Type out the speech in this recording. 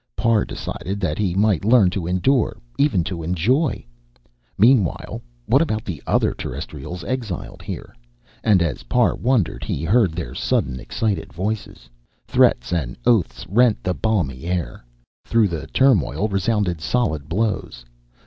Parr decided that he might learn to endure, even to enjoy. Meanwhile, what about the other Terrestrials exiled here? And, as Parr wondered, he heard their sudden, excited voices. Threats and oaths rent the balmy air. Through the turmoil resounded solid blows.